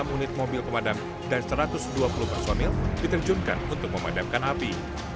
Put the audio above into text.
enam unit mobil pemadam dan satu ratus dua puluh personil diterjunkan untuk memadamkan api